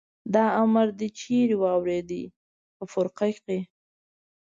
دا امر دې چېرې واورېد؟ په فرقه کې.